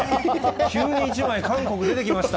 急に１枚、韓国、出てきました。